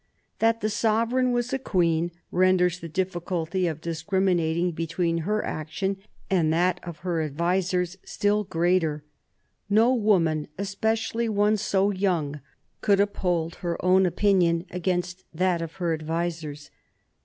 That the sovereign was a queen renders the difficulty of discriminating between her action and that of her advisers still greater. No woman, especially one so young, could uphold her own opinion against that of her advisers.